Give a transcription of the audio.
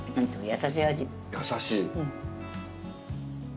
優しい。